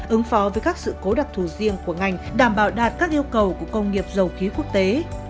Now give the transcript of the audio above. ứng phó với các sự cố đặc thù riêng của ngành đảm bảo đạt các yêu cầu của công nghiệp dầu khí quốc tế